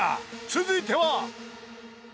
［続いては］